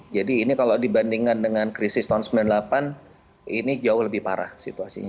jadi ini kalau dibandingkan dengan krisis tahun sembilan puluh delapan ini jauh lebih parah situasinya